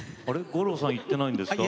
五郎さん言ってないんですか？